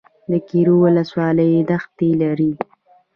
ګیرو ولسوالۍ دښتې لري؟